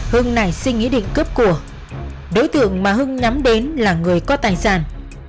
hưng nảy sinh ý định cướp của đối tượng mà hưng nhắm đến là người có tài sản